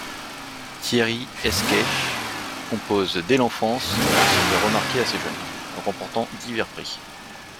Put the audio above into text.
Thierry Escaich compose dès l'enfance et se fait remarquer assez jeune, remportant divers prix.